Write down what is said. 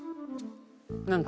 何か。